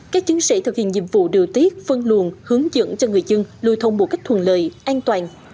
các chứng sĩ thực hiện nhiệm vụ điều tiết phân luồn hướng dẫn cho người dân lưu thông một cách thuận lợi an toàn